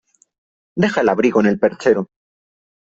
Deja el abrigo en el perchero.